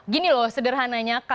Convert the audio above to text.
gini loh sederhananya